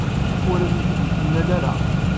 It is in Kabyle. Ur asen-tt-id-yemla ara.